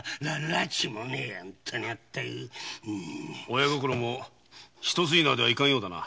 親心も一筋縄ではいかんようだな。